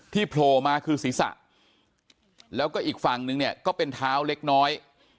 โผล่มาคือศีรษะแล้วก็อีกฝั่งนึงเนี่ยก็เป็นเท้าเล็กน้อย